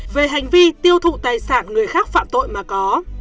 về hành vi tiêu thụ tài sản người khác phạm tội mà có